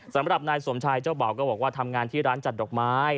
สำหรับนายสมชายเจ้าบ่าวก็บอกว่าทำงานที่ร้านจัดดอกไม้